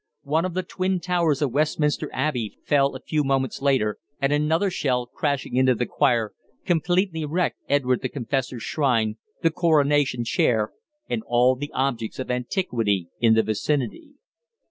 One of the twin towers of Westminster Abbey fell a few moments later, and another shell, crashing into the choir, completely wrecked Edward the Confessor's shrine, the Coronation Chair, and all the objects of antiquity in the vicinity.